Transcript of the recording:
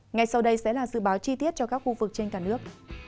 ngay sau đây sẽ là dự báo chi tiết cho các khu vực trên cả nước